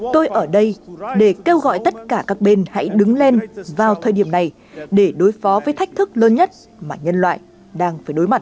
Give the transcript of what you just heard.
tôi ở đây để kêu gọi tất cả các bên hãy đứng lên vào thời điểm này để đối phó với thách thức lớn nhất mà nhân loại đang phải đối mặt